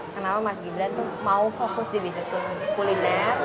kenapa mas gibran tuh mau fokus di bisnis kuliner